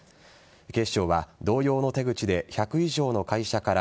警視庁は、同様の手口で１００以上の会社から